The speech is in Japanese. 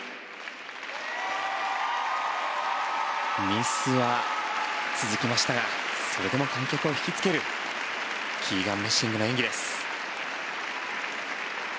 ミスは続きましたがそれでも観客を引きつけるキーガン・メッシングの演技です。